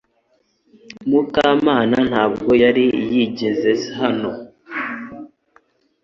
Mukamana ntabwo yari yigezes hano .